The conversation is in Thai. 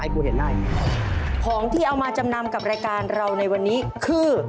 ของที่เอามาจำนำกับรายการเราในวันนี้คือ